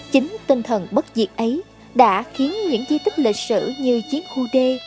chính tinh thần bất diệt ấy đã khiến những di tích lịch sử như chiến khu d